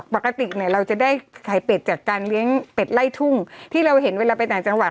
ปกติเนี่ยเราจะได้ไข่เป็ดจากการเลี้ยงเป็ดไล่ทุ่งที่เราเห็นเวลาไปต่างจังหวัด